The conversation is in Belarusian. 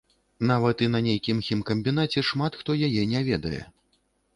Нават і на нейкім хімкамбінаце шмат хто яе не ведае.